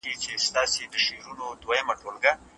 په کوم ښار کي عامه کتابتونونه زيات دي؟